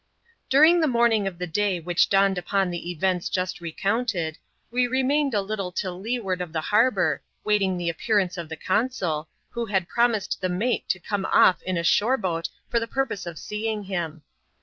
DuBiNG the morning of the day which dawned upon the events just recounted, we remained a little to leeward of the harbour, waiting the appearance of the consul, who had promised the mate to come off in a shore boat for the purpose of seeing him.